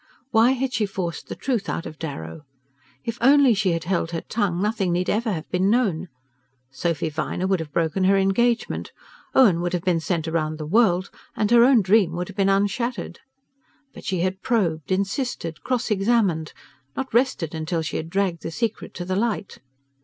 Why had she forced the truth out of Darrow? If only she had held her tongue nothing need ever have been known. Sophy Viner would have broken her engagement, Owen would have been sent around the world, and her own dream would have been unshattered. But she had probed, insisted, cross examined, not rested till she had dragged the secret to the light.